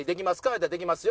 言うたら「できますよ」